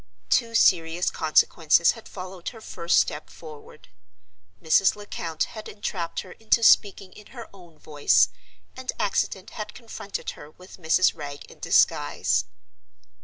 Two serious consequences had followed her first step forward. Mrs. Lecount had entrapped her into speaking in her own voice, and accident had confronted her with Mrs. Wragge in disguise.